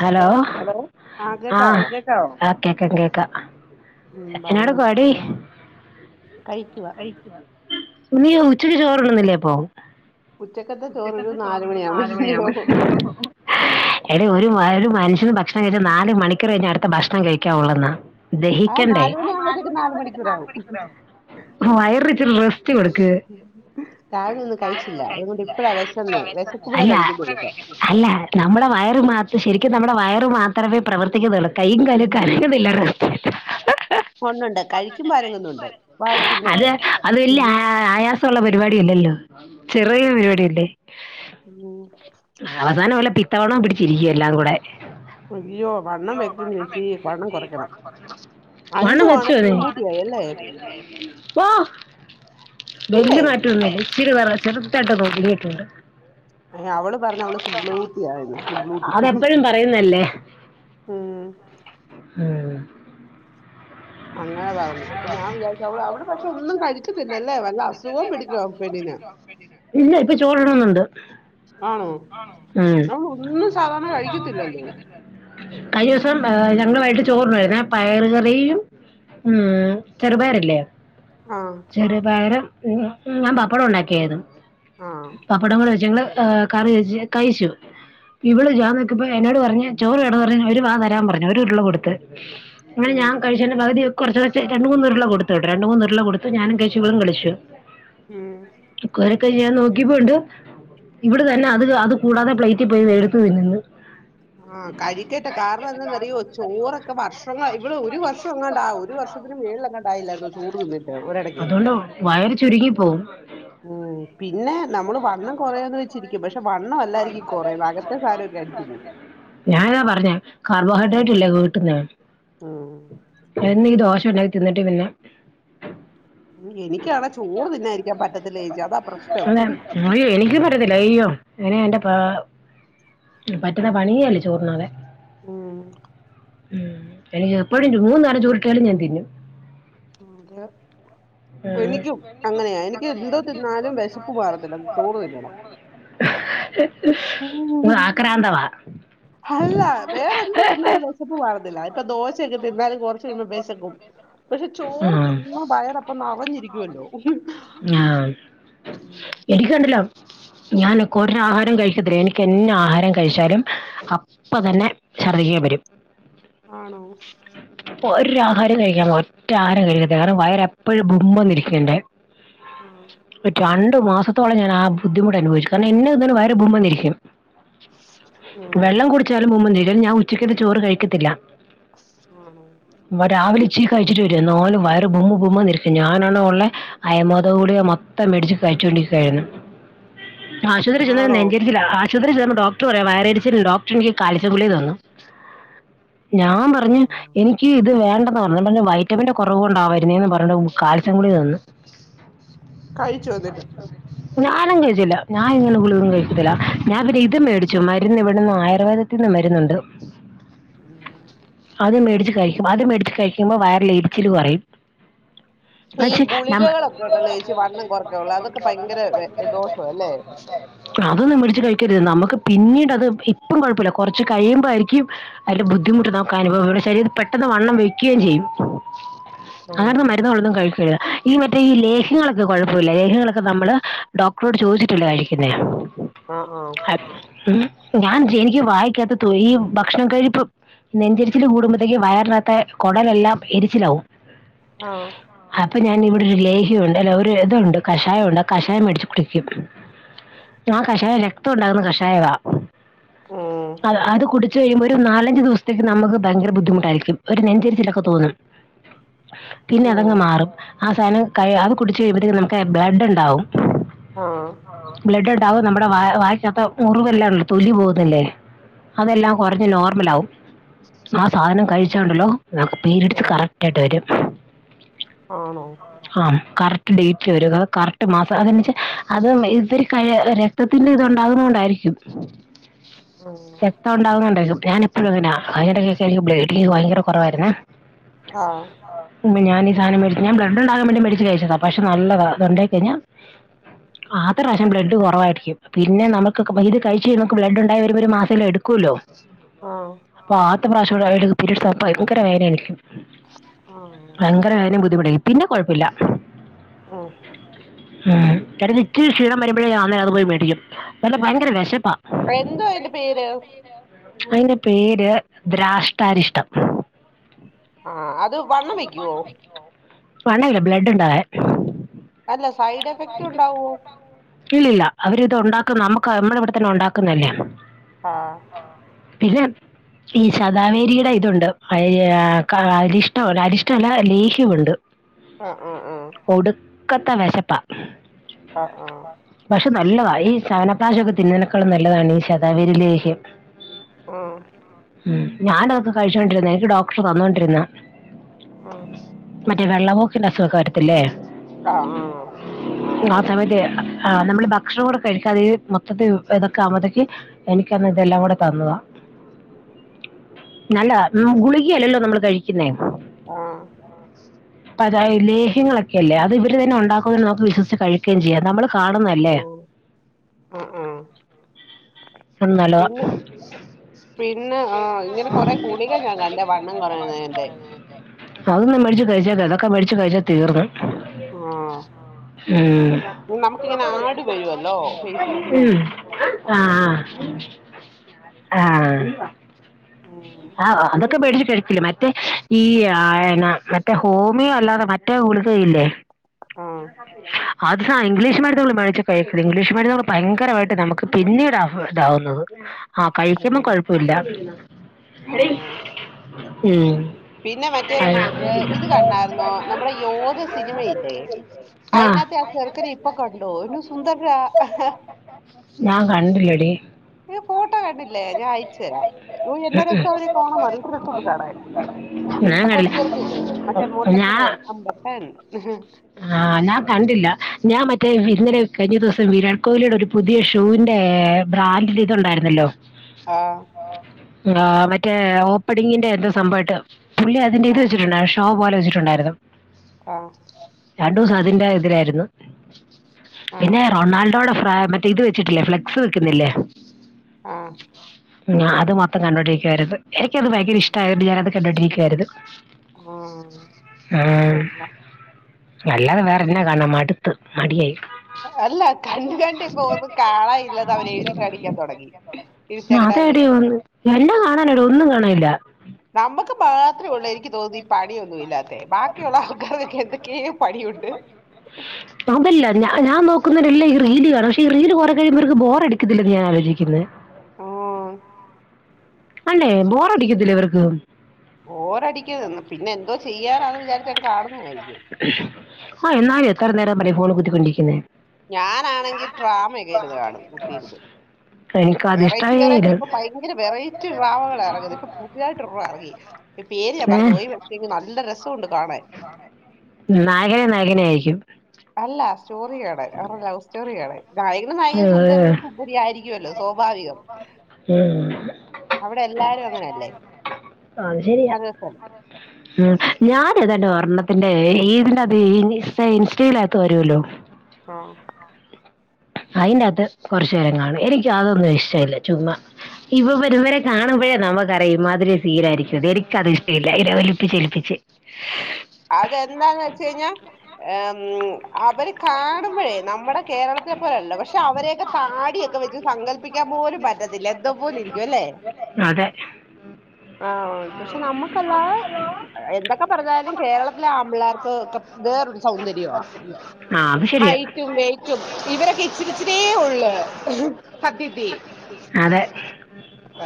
Hello ആ കേക്കാ കേക്കാ ഉം എന്നാണ് പറഞ്ഞോ പണി കഴിക്കുവ അയിക്ക [unintelligible] നീ ഉച്ചയ്ക്ക് ചോറുണ്ണുന്നില്ലേ അപ്പൊ ഉച്ചക്കത്തെ ചോറൊരു നാലുമണിയാ വുമ്പോ എടെ ഒരു മനുഷ്യ ഭക്ഷണം കയിച് നാല് മണിക്കൂറ് കഴിഞ് ഭക്ഷണം കഴിക്കാവൊള്ളെന്നാ ആ ദഹിക്കണ്ടേ നാല് മണിയാകുമ്പോഴത്തേക്ക് നാല് മണിക്കൂറാവും വയറി റസ്റ്റ് രാവിലെ ഒന്നും കഴിച്ചില്ല അതുകൊണ്ട് ഇപ്പഴാ വെശെന്നെ വെശകുമ്പള അല്ല കഴിക്കത്തുള്ളൂപ്പ അല്ല നമ്മടെ വയറ് മാത്ര ശരിക്കും നമ്മുടെ വയറ് മാത്രമേ പ്രവർത്തിക്കുന്നുള്ളൂ കൈ കാലും കറങ്ങുന്നില്ല ഒന്നുണ്ട് കഴിക്കുമ്പോ അരങ്ങുന്നുണ്ട് വാരി അത് തിന്നണ്ടേ അത് വല്ല്യ ആയാസംള്ള പരിപാടില്ലല്ലോ ചെറിയ പരിപാടിയല്ലേ ഉം അവസാനം വല്ല പിത്തവണവും പിടിച്ചിരിക്കും എല്ലാം കൂടെ അയ്യോ വണ്ണം വെക്കും ചേച്ചി വണ്ണം കുറയ്ക്കണം വണ്ണം അഞ്ചു ആണ് വെച്ചോനീ സ്ലിംബൂട്ടിയായി അല്ലേ ഇല്ലേ വലിയ മാറ്റൊന്നും ല്ല്യ ഇച്ചിരി ചെറുതായ്ട്ട് ഒന്ന് ഉരുണ്ടീട്ടുണ്ട് ഏ, അവള് പറഞ്ഞ അവള് സ്ള് ബൂട്ടിആയത് സ്ള്ബൂട്ടി അതെപ്പോഴും പറയുന്നല്ലേ ഏ അങ്ങനെ പറഞ്ഞു അപ്പൊ ഞാൻ വിചാരിച്ചു അവള് അവിടെ പക്ഷെ ഒന്നും കഴിക്കത്തില്ലല്ലേ വല്ല അസുഖവും പിടിക്കും ആ പെണ്ണിന് ഇല്ല ഇപ്പൊ ചോറുണ്ണുന്നുണ്ട് ആണോ ഉം അവൾ ഒന്നും സാധാരണ കഴിക്കത്തില്ലല്ലോ കയിഅസ ഞങ്ങളമായിട്ട് ചോറിഉണ്ണേന്നെ പയറ്ക്കറിയും മ്മ് ചെറുപയറല്ലേ. ആ ചെറുപയറ് ഉം ഞാ പപ്പടം ഒണ്ടാക്കിയയത്. ആ പപ്പടങ്ങൾ [unintelligible] ആ കറി വച്ച് കഴിച്ചു ഉം ഇവടെ ജാനൊക്കപ്പ. എന്നോട് പറഞ്ഞ് ചോറ് വേണോ പറഞ്ഞ് ഒരു വാ തരാൻ പറഞ്ഞു ഒരുരുള കൊടുത്ത്. അങ്ങന ഉം ഞ കഴിച്ചൻ്റെ പകതി കൊർച്ച്ക്കൊർച്ചായി രണ്ട്മൂന്ന് ഉര്ള കൊടുത്തുകെട്ടൊ രണ്ട്മൂന്ന് ഉരുള കൊടുത്ത് ഞാനും കൈച്ചു ഇവളും കയിച്ചു. ഉം ക്കെ ഞാൻ നോക്കിപ്പോണ്ട് ഇവിടെ തന്നെ അത് അത് കൂടാതെ പ്ലേറ്റി പോയി എടുത്തു തിന്നുന്ന്. ആ കഴിക്കട്ടെ കാരണം എന്താന്ന്റിയോ ചോറൊക്കെ വർഷങ്ങ ഇവൾ ഒരു വർഷം എങ്ങണ്ട്‌ തിന്നിട്ട് ഒരിടയ്ക്ക് അതുകൊണ്ട് വയറി ചുരുങ്ങി പോകും ഉം പിന്നെ നമ്മൾ വണ്ണം കുറയാന്ന് വെച്ചിരിക്കും പക്ഷെ വണ്ണം അല്ലായിരിക്കും കുറയുന്നത് അകത്തെ സാധനമൊക്കെ അടിച്ചു പോകും ഞാനത പറഞ്ഞെ കാർബൊ ഹൈ [unintelligible] എന്നീ ദോശ ഉണ്ടാക്കി തിന്നിട്ട് പിന്നെ എനിക്കണേ ചോറ് തിന്നതിരിക്കാൻ പറ്റത്തില്ല ചേച്ചി അതാ പ്രശ്നം അതെ അയ്യോ എനിക്കും പറ്റാത്തില്ല അയ്യോ അതെനിക്ക് പറ്റുന്ന പണിയല്ല ചോറുണ്ണാതെ ഉം എനിക്ക് എപ്പോഴും മൂന്നേരം ചോറ്കിട്ടിയാലും ഞാൻ തിന്നും അത ഉം. എനിക്കും അങ്ങനെയാ എനിക്ക് എന്തോ തിന്നാലും വിശ മാറത്തില്ല ചോറ് തിന്നണം [inaudible] [inaudible] ഇത് ആക്രാന്തവാ വേറെന്ത് തിന്നാലും വിശപ്പ് മാറില്ല ഇപ്പ ദോശഒക്കെ തിന്നാലും കുറച്ച് കഴിയുമ്പോൾ വിശക്കു പക്ഷെ ചോറ് ഉം. തിന്നാ വയറപ്പം നറാഞ്ഞിരിക്കുമല്ലോ ആ. ഞാനൊക്കെ ഒര് ആഹാരം കഴിക്കത്തില്ല എനിക്ക് എന്ന ആഹാരം കഴിച്ചാലും അപ്പ തന്നെ ഛർദ്ദിക്കാൻ വരും ആണോ ഒര് ആഹാരം കഴിക്കാൻ ഒറ്റ ആഹാരം കഴിക്കത്തില്ല കാരണം വയർ എപ്പോഴും ബും എന്ന് ഇരിക്കുമെന്റെ ആ. പക്ഷേ രൺ എട്ടു മാസത്തോളം ആ ബുദ്ധിമുട്ട് അനുഭവിച്ചു കാരണം എന്ന തിന്നാലും വയറ് ബും എന്നിരിക്കും ഉം. വെള്ളം കുടിച്ചാലും ബും എന്നിരിക്കും ഞാൻ ഉച്ചക്കതെ ചോറ് കഴിക്കത്തില്ല [inaudible] രാവിലെ ഇച്ചിരി കഴിച്ചിട്ട് വരു എന്നാലും വയറ് ബുമ ബും എന്ന് ഇരിക്കും ഞാനാണോ ഉള്ളെ അയമോതക ഗുളിക മൊത്തം മേടിച്ച് കഴിച്ചോണ്ടിരിക്കു ആയിരുന്നു ആശുത്രി ചെന്ന ആണോ നെഞ്ചരിച്ചില്ലാ ആശുത്രിചെന്ന ഡോക്ടർ പറയിവാ വയറരിച്ചിൽ ഡോക്ടർ എനിക്ക് കാൽസ്യം ഗുളിക തന്നു. ഞാ ആ. പറഞ്ഞു എനിക്ക് ഇത് വേണ്ടന്ന് പറഞ്ഞ് വൈറ്റാമിന്റെ കൊറവ് കൊണ്ടാ വരുന്നേന്ന് പറഞ്ഞിട്ട് കാൽസ്യം ഗുളിക തന്ന് കഴിച്ചോന്നിട്ട് ഞാനും കഴിച്ചില്ല ഞാാന ഇങ്ങനെ ഗുളികും കഴിച്ചത്തില്ല ഞാൻ പിന്നെ ഇത് മേടിച്ചു മരുന്ന് ഇവിടുന്ന് ആയുർവേദത്തിൽന്ന് മരുന്നുണ്ട് ഉം അത് മേടി അത് മേടിച്ച് കഴിക്കുമ്പോൾ വയറിറില ഇരിച്ചിൽ കുറയും ഈ അച്ചേ ഗുളികകളൊക്കെ ഉണ്ടല്ലോ ചേച്ചി വണ്ണം കുറയ്ക്കാനുള്ള അതൊക്കെ ഭയങ്കര വെ- ദോഷമല്ലേ അതൊന്നും മെടിച്ചു കഴിക്കരുത് നമ്മുക്ക് പിന്നീട് അത് ഇപ്പം കുഴപ്പമില്ല കുറച്ച് കഴിയുമ്പോഴായിും അതി്ന്റെ ബുദ്ധിമുട്ട് നമുക്ക് അനുഭവം ഇവിടെ ശരീരം പെട്ടെന്ന് വണ്ണം വെക്കുകയും ചെയ്യും ഉം. അങ്ങനെന്ന മരുന്നുകളള്ളൊന്നും കഴിക്കഴാ ഈ മറ്റേ ഈ ലേഖങ്ങളൊക്കെ കുഴപ്പമില്ല ലേഹങ്ങളൊക്കെ നമ്മള് ഡോക്ടറോട് ചോദിച്ചിട്ടില്ല കഴിക്കുന്നേ ആഹ ആഹ അപ് ഉം. ഞാൻ എനിക്ക് വായിക്കാത്ത ഈ ഭക്ഷണം കഴിപ്പ് നെഞ്ചരിച്ചില് കൂടുമ്പോ അ വയറിനകത്ത് കുടലെല്ലാം എരിച്ചിലാവും ആഹ അപ്പൊ ഞാൻ ഇവിടെ ഒരു ലേഹിയ ഉണ്ട് അല്ല ഒരു ഇതുണ്ട് കഷായംുണ്ട് ആ കഷായം മേടിച്ചു കുടിക്കും ആ കഷായം രക്തം ഉണ്ടാകുന്ന കഷായമാണ് ഉം. അ അത് കുടു കഴിയുമ്പോ ഒരു നാലഞ്ു ദിവസത്തേക്ക് നമു ഭയങ്കര ബുദ്ധിമുട്ടായിരിക്കും ഒരു നെഞ്ചരിച്ചിലൊക്കെ തോന്നും പിന്നെ ഉം. അതങ്ങ് മാറും ആ സധനം ക അത് കുടിച്ച് കഴിയുമ്പഴത്തേും നമുക്ക് ബഡ് ഉണ്ടാവും ആ ബ്ലഡർ ഇതാവും നമ്മുടെ വ വായിച്ചാത്ത മുറിവെല്ലാം ഉല്ലോ തൊലി പോകുന്നില്ലേ അതെല്ലാം കുറഞ്ഞ നോർമല ആാവും ആ സാധനം കഴിച്ചാുണ്ടല്ലോ നമുക്ക് പേരെടുത്ത് ആ കറക്റ്റ് ആായിട്ട് വരും ആണോ ആം കറക്റ്റ് ഡേറ്റ്ില് വരും കറക്റ്റ് മാസം അത വെച്ചാ അത് ഇതൊരു കഴ രക്തത്തിന്റെ ഇത്ണ്ടാകുന്ന കൊണ്ടായിരിക്കും ഉം ശക്ത ഉണ്ടാവുന്നുണ്ടരിക്കും ഞാനിപ്പോഴ അങ്ങനെ അടക്കെ ബ്ലേഡി ഭയങ്കര കുറവായിുന്ന ആഹ ഞാൻീ സാധനം മേിച്ചത് ഞാൻ്ഡ് ഉണ്ടാൻ വേണ്ടി മേടിച്ച് കഴിച്ചതാ പക്ഷെ നല്ലത അത്തുണ്ടാക്ക കഴിഞ്ഞാ അ പ്രശം ബ്ലഡ് കുറവായിരിക്കും പിന്നെ നമുക്ക് ഇത് കഴിഴി നമുക്ക് ബ്ലഡ്ണ്ട വരുമ്പം ഒരു മാസേൽ എടുക്കുമല്ലോ ആഹ് പച പ്രാവശ വേനിക്കും ആഹ് ഭയങ്കര കാര്യം ബുദ്ധിമുട്ട പിന്നെ കുഴപ്പില്ല ഉം ഉ കാര്യ ഇക്ക് ക്ഷീണം വരുമ്പോഴേ ഞാ അന്നെ അത് പോയി മേടിക്കും അെ ഭയങ്കര വിശ എന്തു അയിന്റെ പേര് അതിന്റെ പേര്. ദ്രാഷ്ടാരിഷ്ടം. ആഹ്‌ അത് വണ്ണം വെക്കുവോ? വണ്ണ അല്ല ബ്ലഡ്‌ ഉണ്ടാവാൻ. അല്ല. സൈഡ് എഫക്ട് ഉണ്ടാകുവോ? ഇല്ലില്ല അവരിത് ഉണ്ടാക്കുന്ന നമ്മുക്ക് നമ്മുടെ ഇവിടെ തന്നെ ഉണ്ടാക്കുന്നത ല്ലേ. ആഹ്‌. പിന്നെ ഈ ശതാവേരിയുടെ ഇതുണ്ട് അ ക അരിഷ്ടം അരിഷ്ട അല്ല ലേഹ്യമുണ്ട്. ആഹ് ‌ ആഹ്‌ ആഹ്‌. ഓടുക്കത്തെ വിശപ്പാ. മ്മ്. ആ. പക്ഷെ നല്ലതാ ഈ ശവനപ്രാശൊക്കെ തിന്നുന്നതിനെക്കാളും നല്ലതാണ് ഈ ശതാബരി ലേഹ്യം. മ്മ്. ഉം ഞാനതൊക്കെ കഴിച്ചോണ്ടിരുന്നതാ എനിക്ക് ഡോക്ടർ തന്നോണ്ടിരുന്നതാ. ഉം മറ്റേ വെള്ളപൊക്കിന്റെ അസുഖക്കെ വരത്തില്ലേ? ആഹ് ആഹ്‌ ആഹ്ത. ആ നമ്മള് ഭക്ഷണം കൂടെ കഴിക്കാതെ മൊത്തത്തി ഇതൊക്കെ ആകുമ്പത്തേക്ക് എനിക്കന്ന് ഇതെല്ലാം കൂടെ തന്നതാ നല്ല ഗുളികയല്ലല്ലോ നമ്മൾ കഴിക്കുന്നേ. ആഹ് അപ്പാ ഇത് ലേഹ്യങ്ങളൊക്കെ ഇല്ലേ അത് ഇവര് തന്നെ ഉണ്ടാക്കുമ്പം നമുക്ക് വിശ്വസിച്ച് കഴിക്കുകയും ചെയ്യാം. നമ്മള് കാണുന്നതല്ലേ ഉം ഉം ഉം നല്ലതാ പിന്നെ പിന്നെ ആ ഇങ്ങനെ കൊറെ ഗുളിക ഞാൻ കണ്ട് വണ്ണം കുറയുന്നതിന്റെ അത് ന്താ മേടിച്ചോ. കഴിച്ചാ അതൊക്കെ മേടിച്ച് കഴിച്ചാ തീർന്ന്. ആഹ് ഉം. നമുക്കിങ്ങനെ ആഡ് വരുവല്ലോ ഫേസ്ബുക്കിലും ഉം ആ, ഇത്. ആഹ്‌. ആഹ്‌. ഉം ആഹ് അതൊക്കെ മേടിച്ചി മറ്റേ ഈ ആന്നാ മറ്റേ ഹോമിയോ അല്ലാതെ മറ്റേ ഗുളികയില്ലേ. എന്നാ. ആഹ് [unintelligible] അത് സാ ഇംഗ്ലീഷുമരുന്നുകൾ മേടിച്ചു കഴിക്കരുത് ഇംഗ്ലീഷുമരുന്ന് ഭയങ്കരമായിട്ട് നമുക്ക് പിന്നീടാ പ്രശ്നം ആവുന്നത്. ആഹ്‌ കഴിക്കുമ്പോ ആഹ് കൊഴപ്പ ഇല്ല. ആഹ് ഉം. പിന്നെ മറ്റേ ഇത് കണ്ടാരുന്നോ നമ്മുടെ യോദ സിനിമയില്ലേ അതിനാത്തെ ആ ചെറുക്കനെ ഇപ്പൊ കണ്ടോ എന്നാ സുന്ദരനാ ഞാൻ കണ്ടില്ലടി ഫോട്ടോ കണ്ടില്ലേ ഞാൻ അയച്ചു തരാം. എന്നാ രസാ അവനെ കാണാൻ നല്ല രസം ഉണ്ട്‌ കാണാൻ. ഞാൻ ആ കണ്ടില്ല കൊച്ചുചെറുക്കനില്ലേ മറ്റേ ഞാ മുട്ടത്തലയൻ അമ്പട്ടൻ ആഹ്‌ ഞാൻ കണ്ടില്ല ഞാൻ. മറ്റേ ഇന്നലെ കഴിഞ്ഞ ദിവസം വിരാട് കോഹ്ലിയുടെ ഒരു പുതിയ ഷൂവിന്റെ ബ്രാൻഡ്ല് ഇതു ഉണ്ടായിരുന്നല്ലോ ആഹ ആ മറ്റേ ഓപ്പണിങ്ങിന്റെ എന്തോ സംഭവയിട്ട് പുള്ളി അതിന്റെ ആ ഇത് വച്ചിട്ടുണ്ട് ഷോ ലെ ച്ച്ട്ടൊണ്ടായിരുന്നു ആഹ് രണ്ടുസം അതിന്റെ ഇതിലായിരുന്നു. ആ പിന്നെ റൊണാൾഡോട ഫ്ര മറ്റ് ഇത് വെച്ചിട്ടില്ലേ ഫ്ലെക്സ് വെക്കുന്നില്ലേ? ആ [unintelligible] ഉം അത് മാ പ്പം കണ്ടോണ്ടിരിക്കുവാരുന്നു. എനിക്കത് ഭയങ്കര ഇഷ്ട്ടായോണ്ട് ഞാനത് കണ്ടോണ്ടിരി ക്കാരുന്നു ആ ആ കൊള്ളാം അല്ലാതെ വേറെ എന്നാ കാണണം മട്ത്ത് മടിയായി. അല്ല കണ്ട് കണ്ട് ഇപ്പൊ ഒന്നും കാണാനില്ലന്ന് അവര് എഴുതി കാണിക്കാൻ തൊടങ്ങി അതേടി ഇൻസ്റ്റാഗ്രാമിലൊക്കെ. വന്ന് എല്ലാം കാണാനടി ഒന്നും കാണാനില്ല നമക്ക് മാത്രേ ഒള്ളേ എനിക്ക് തോന്നി പണിയൊന്നുല്ലാ ബാക്കി ഉള്ള ആൾക്കാർക്കൊക്കെ എന്തക്കെ പണിയുണ്ട്. കുന്നതല്ലാം റീലാണ് പക്ഷെ റീല് കൊറെ കഴുമ്പോ അവർക്ക് ബോറടിക്കുന്നില്ലേ ഞാൻ ആലോചിക്കുന്നേ. ഓ അല്ലേ ബോറടിക്കത്തില്ലേ ഇവർക്ക്? ബോറടിക്കും പിന്നെ എന്തോ ചെയ്യാനാന്ന് വിചാരിച്ച് കാണുന്നതായി [unintelligible] ആ എന്നാലും എത്ര നേരം പറയും ഫോണ് കുത്തിക്കൊണ്ടിരിക്കുന്നേ. ഞാനാണെങ്കിൽ ഡ്രാമക്കെ ഇരുന്ന് കാണും കുത്തിയിര്ന്ന് എനിക്ക് അത് വെറൈറ്റി ഇഷ്ടമേ വെറൈറ്റി ഇല്ല ഇപ്പൊ ഭയങ്കര വെറൈറ്റി ഡ്രാമകളാ ഇറങ്ങുന്നത് ഇപ്പൊ പുതിയായിട്ട് ഒരെണ്ണം ഇറങ്ങി. ഈ പേര് ഞാൻ ഏഹ് മറന്നുപോയി പക്ഷേ എനിക്ക് നല്ല രസമുണ്ട് കാണാൻ നഗ നഗനെ ആയിരിക്കും. അല്ലാ സ്റ്റോറിയാണ് അവരുടെ ലൗ സ്റ്റോറിയാണ്. നായകനും ഏ, നായകിയും സുന്ദരനും സുന്ദരി ആയിരിക്കുവല്ലോ സ്വാഭാവികം ഉം അങ്ങനെല്ലേ അ അത് ശെരിയാ ഉം ഞാനേതാണ്ട് ഒർണ്ണത്തിന്റെ ഈ ഇതിന്റെ ഇ ഇൻ ഇൻസ്റ്റയിലാത്ത വരുല്ലോ ആഹ് അതിന്റെകത്ത് കുറച്ചു നേേരം കാണും എനിക്ക് അതൊന്നും ഇഷ്ടമല്ല ചുമ്മ ഇവ ഇവന്മാരെ കാണുമ്പോഴേ നമുക്കറിയും ഇമ്മാതിരി സീനായിരിക്കുംന്ന് എനിക്കത് ഇഷ്ടമല്ല ഇങ്ങനെ ഒലിപ്പിച്ച് ഒലിപ്പിച്ച്. അതെന്താന്ന് വെച്ച കഴിഞ്ഞാ ഏഹ് അവര് കാണുമ്പഴേ നമ്മുടെ കേരളത്തെ പോലെയല്ലോ പക്ഷെ അവരൊക്കെ താടിയ- പോലെ ഇരിക്കും അല്ലേ അതെ ആ പക്ഷെ നമുക്ക- ല്ല എന്ത [unintelligible] ഇപ്പ പറഞ്ഞാല് കേരളം- ചെല ആൺപിള്ളേർക്ക് വേറോരു സൗന്ദര്യയാ ആ അത് ശരിയാ ഹയിറ്റും വെയിറ്റും - ഇവരൊക്കെ ഇച്ചിരി ഇച്ചിയേ ഉള്ള് സത്യത്തി - അതെ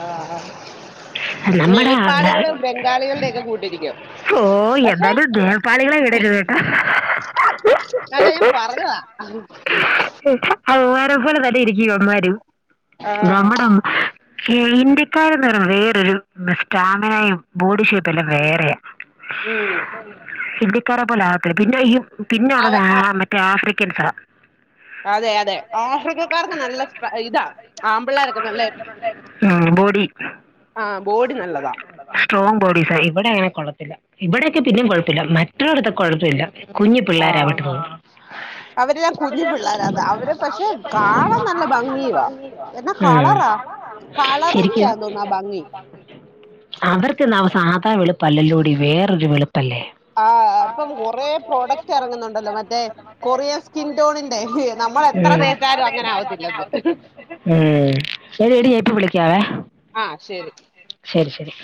ആഹ ആഹ [unintelligible] നമ്മുടെ ആ- ന- നേപ്പാളികളും ബംഗാളികളുടെ ഒക്കെ കൂട്ടിരിക്കും പക്ഷെ എന്തായാലും നേപ്പാളികളെ വിടരരുത് കേട്ടോ അല്ല ഞാൻ പറഞ്ഞതാ [inaudible] അത് വേറെ പോലെ തന്നെ ഇരിക്കും ഇവൻമ്മാരും ആഹ് വമ്മട [unintelligible] ഈ ഇന്ത്യക്കാരന്ന് പറയുമ്പോ വേറോരു സ്റ്റാമിനയും ബോഡി ഷേപ്പ്- പിന്നെ വേറെയാ ഉം സിദ്ധിക്കാര പോലാ പിന്നെ അവ പിന്നെയിള്ളത് ആ ആഹ് മറ്റേ ആഫ്രിക്ക [unintelligible] അതെ അതെ ആഫ്രിക്കക്കാർക്ക് നല്ല സ്ട്ര- ഇതാ ആമ്പിള്ളേരൊക്കെ നല്ല മ് ബോഡി ആ ബോഡി നല്ലതാ സ്ട്രോങ് ബോഡീസ് ഇവിടെ അങ്ങനെ കൊള്ളത്തില്ല ഇവിടെയൊക്കെ പിന്നും കൊഴപ്പില്ല മറ്റുള്ളടത്തെ കൊഴപ്പില്ല കുഞ്ഞു ആഹ് പിള്ളോരവിട്ട് [unintelligible] പിള്ളാരാന്ന് അവര് പക്ഷെ കാണാൻ നല്ല ഭംഗിയുവാ എന്നാ ഉം. കളറാ ശരിക്കും കളറിന്റെയാ തോന്ന് ആ ഭംഗി ത്ര വളുപ്പല്ലല്ലോടെ വേറൊരു വെളുപ്പ് ആഹ് അപ്പം കൊറേ പ്രോഡക്റ്റ് ഇറങ്ങുന്നുണ്ടല്ലോ മറ്റേ കൊറിൻ സ്കിൻ ടോണി ഉം ആവത്തില്ലത് ഉം എടി ഇപ്പ വിളിക്കാവേ ആ ശരി ശരി ശരി